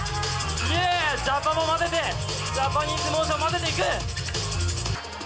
ジャパンも混ぜて、ジャパニーズモーションも混ぜていく。